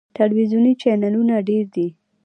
ټلویزیوني چینلونه ډیر دي.